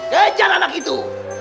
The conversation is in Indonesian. kejar anak itu